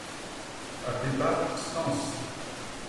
A Pépa, stances.